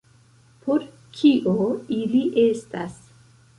Por kio ili estas?